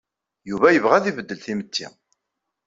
Yuba yebɣa ad ibeddel timetti.